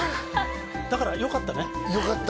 だからよかったね。